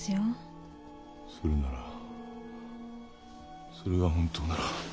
それならそれが本当なら！